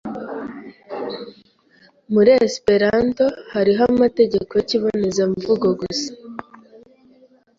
Muri Esperanto hariho amategeko yikibonezamvugo gusa